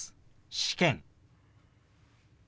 「試験」。